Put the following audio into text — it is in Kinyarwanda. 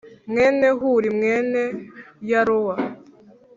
mwene Huri mwene Yarowa